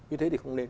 như thế thì không nên